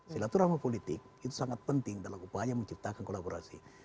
silaturahmi politik itu sangat penting dalam upaya menciptakan kolaborasi